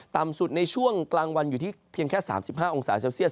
ต่ำสุดในช่วงกลางวันอยู่ที่เพียงแค่๓๕องศาเซลเซียส